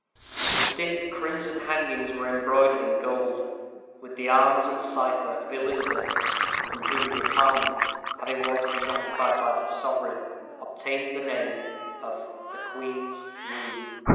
The stiff crimson hangings were embroidered in gold, with the arms and cipher of Elizabeth, from whom the apartment, having once been occupied by that sovereign, obtained the name of the "Queen's Room."